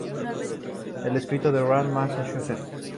Se crio en Rockland, Massachusetts.